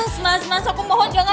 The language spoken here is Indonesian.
mas mas mas aku mohon jangan